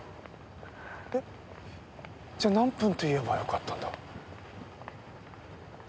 えじゃあ何分って言えばよかったんだ？